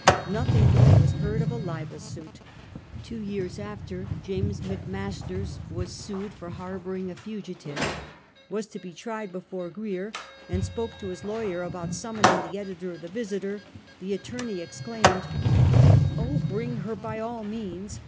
l^othing more was heard of a libel suit. Two years after, James McMasters was sued for harboring a fugi tive; was to be tried before Grier, and spoke to his lawyer about summoning the editor of the Visiter. The attorney exclaimed :" Oh bring her, by all means!